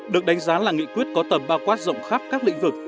được đánh giá là nghị quyết có tầm bao quát rộng khắp các lĩnh vực